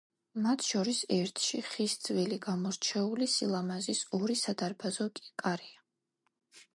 მათ შორის ერთში, ხის ძველი გამორჩეული სილამაზის ორი სადარბაზო კარია.